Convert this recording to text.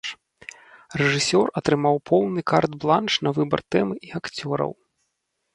Рэжысёр атрымаў поўны карт-бланш на выбар тэмы і акцёраў.